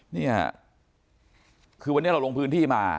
นี่คือวันนี้เราลงพื้นที่มา